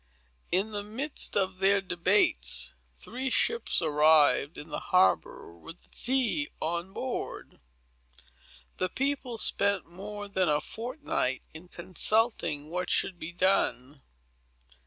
In the midst of their debates, three ships arrived in the harbor with the tea on board. The people spent more than a fortnight in consulting what should be done.